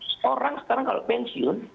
sekarang kalau pensiun